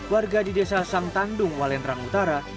warga di desa sang tandung walendrang utara